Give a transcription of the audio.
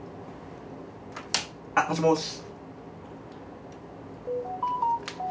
あっもしもし。